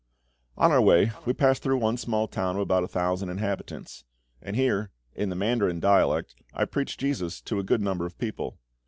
On our way we passed through one small town of about a thousand inhabitants; and here, in the Mandarin dialect, I preached JESUS to a good number of people.